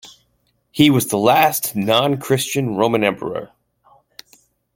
He was the last non-Christian Roman emperor.